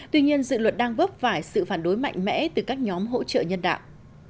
tuy nhiên dự luật đang góp vải sự phản đối mạnh mẽ từ các nhóm hỗ trợ nhân đạo